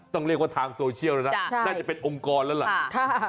ต้องเรียกว่าทางโซเชียลแล้วนะน่าจะเป็นองค์กรแล้วล่ะ